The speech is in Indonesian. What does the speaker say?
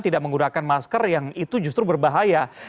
tidak menggunakan masker yang itu justru berbahaya